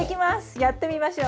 やってみましょう。